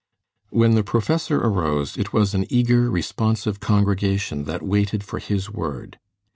When the professor arose, it was an eager, responsive congregation that waited for his word.